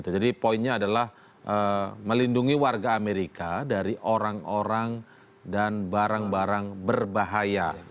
jadi poinnya adalah melindungi warga amerika dari orang orang dan barang barang berbahaya